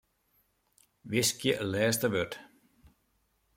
Wiskje lêste wurd.